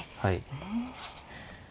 うん。